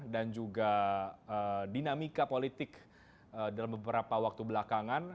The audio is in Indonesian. dan juga dinamika politik dalam beberapa waktu belakangan